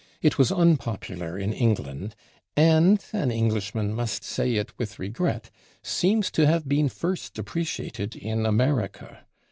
It was unpopular in England, and (an Englishman must say it with regret) seems to have been first appreciated in America.